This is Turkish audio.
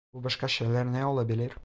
Bu başka şeyler ne olabilir?